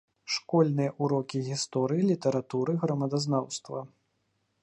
Школьныя ўрокі гісторыі, літаратуры, грамадазнаўства.